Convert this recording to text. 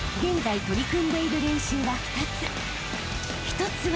［１つは］